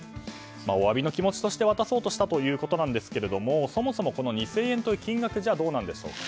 お詫びの気持ちとして渡そうとしたということですがそもそも２０００円という金額はどうなんでしょうか。